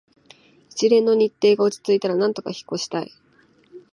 一連の日程が落ち着いたら、なんとか引っ越ししたい